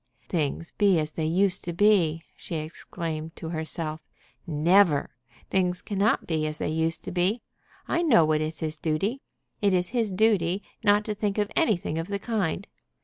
"Things be as they used to be!" she exclaimed to herself. "Never! Things cannot be as they used to be. I know what is his duty. It is his duty not to think of anything of the kind.